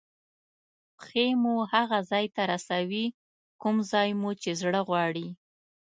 پښې مو هغه ځای ته رسوي کوم ځای مو چې زړه غواړي.